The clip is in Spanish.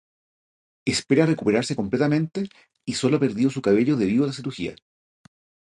Espera recuperarse completamente y sólo ha perdido su cabello debido a la cirugía.